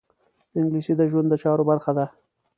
انګلیسي د ژوند د چارو برخه ده